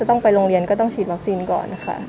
ต้องไปโรงเรียนก็ต้องฉีดวัคซีนก่อนค่ะ